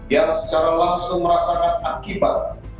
yang secara langsung merasakan akibat